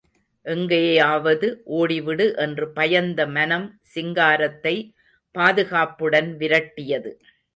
எங்கேயாவது ஓடிவிடு என்று பயந்த மனம் சிங்காரத்தை பாதுகாப்புடன் விரட்டியது.